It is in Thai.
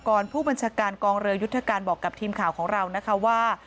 ผู้บัญชาการกองเรือยุทธการบอกกับทีมข่าวของเรานะคะว่า